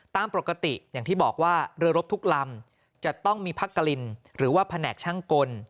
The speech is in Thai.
ตามปกติอย่างที่บอกว่าเรือรบทุกลำจะต้องมีพักกรินหรือว่าแผนกช่างกล